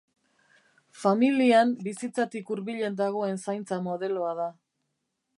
Familian bizitzatik hurbilen dagoen zaintza modeloa da.